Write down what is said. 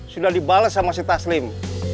sudah dibalas sama si taslim